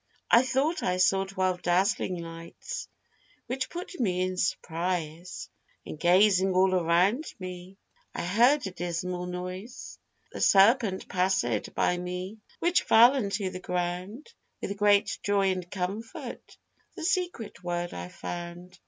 I thought I saw twelve dazzling lights, which put me in surprise, And gazing all around me I heard a dismal noise; The serpent passèd by me which fell unto the ground, With great joy and comfort the secret word I found.